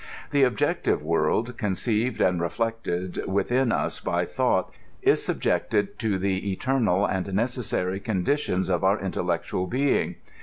The objective world, conceived and reflected within us by thought, is subjected to the eternal and necessary conditions of our intellectual being.